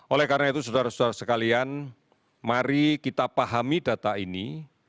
oleh karena itu saudara saudara sekalian mari kita pahami data ini